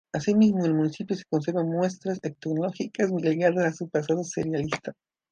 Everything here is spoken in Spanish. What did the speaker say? Asimismo, en el municipio se conservan muestras etnográficas ligadas a su pasado cerealista.